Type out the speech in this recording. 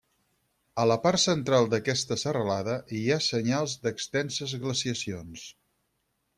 A la part central d'aquesta serralada hi ha senyals d'extenses glaciacions.